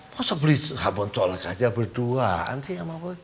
masa beli sabun colek aja berduaan sih ya